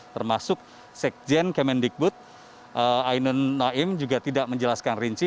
termasuk sekjen kemendikbud ainun naim juga tidak menjelaskan rinci